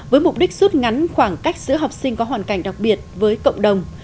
với mục đích rút ngắn khoảng cách giữa học sinh có hoàn cảnh đặc biệt với cộng đồng